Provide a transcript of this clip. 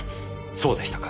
そうでしたか。